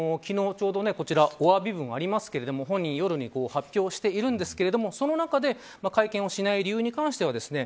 昨日ちょうど、こちらおわび文ありますけれども、本人、夜に発表しているんですがその中で会見をしない理由に関してはですね